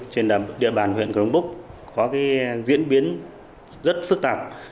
trên địa bàn huyện cường búc có diễn biến rất phức tạp